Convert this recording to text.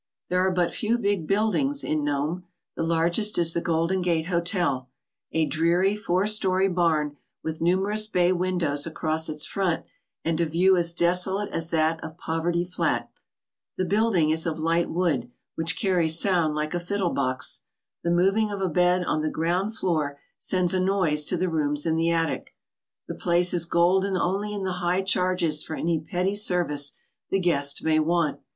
There are but few big buildings in Nome. The largest is the Golden Gate Hotel, a dreary four story barn with numerous bay windows across its front and a view as desolate as that of Poverty Flat. The building is of light wood, which carries sound like a fiddle box. The moving of a bed on the ground floor sends a noise to the rooms in th* attic. The place is golden only in the high charges for any petty service the guest may want.